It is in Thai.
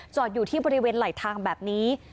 อยู่ที่บริเวณไหลทางแบบนี้